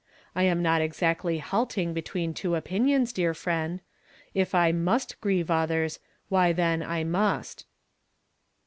I am not exactly lialting between two opinions, dear friend. If I must grieve others, why then I nnist."